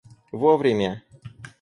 вовремя